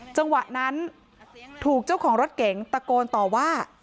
จังหวะนั้นถูกเจ้าของรถเก๋งตะโกนต่อว่า